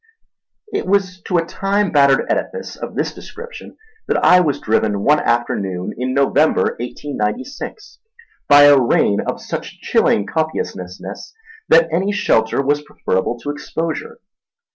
It was to a time battered edifice of this description that I was driven one afternoon in November, 1896, by a rain of such chilling copiousness that any shelter was preferable to exposure.